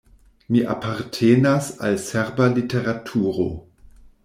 Mi apartenas al serba literaturo.